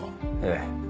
ええ。